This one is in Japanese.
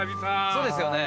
そうですよね。